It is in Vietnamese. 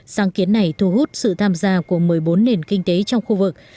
sáng kiến này thu hút sự tham gia của một mươi bốn nền kinh tế trong khu vực